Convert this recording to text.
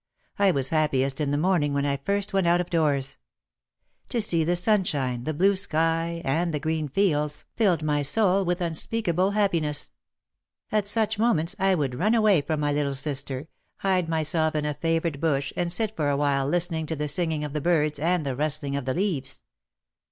I was happiest in the morning when I first went out of doors. To see the sunshine, the blue sky, and the green fields, filled my soul with unspeak 9 io OUT OF THE SHADOW able happiness. At such moments I would run away from my little sister, hide myself in a favourite bush and sit for a while listening to the singing of the birds and the rustling of the leaves.